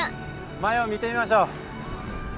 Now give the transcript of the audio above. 前を見てみましょう。